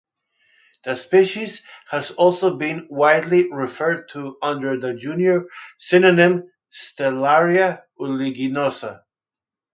The species has also been widely referred to under the junior synonym "Stellaria uliginosa".